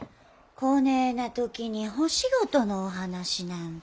こねえな時にお仕事のお話なんて。